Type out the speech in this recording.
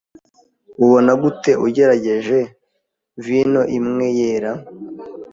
Ubona gute ugerageje vino imwe yera?